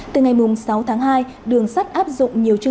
từ ngày sáu tháng hai đường sắt áp dụng nhiệm vụ